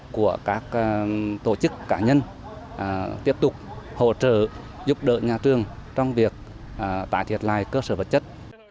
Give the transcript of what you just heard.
của các tổ chức cá nhân tiếp tục hỗ trợ giúp đỡ nhà trường trong việc tải thiệt lại cơ sở vật chất